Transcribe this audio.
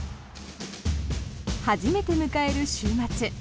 初めて迎える週末。